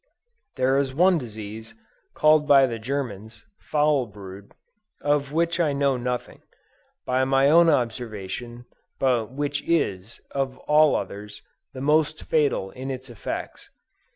There is one disease, called by the Germans, "foul brood," of which I know nothing, by my own observation, but which is, of all others, the most fatal in its effects.